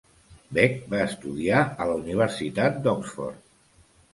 Bek va estudiar a la Universitat d'Oxford.